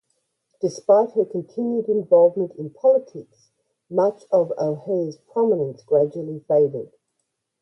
Despite her continued involvement in politics, much of O'Hare's prominence gradually faded.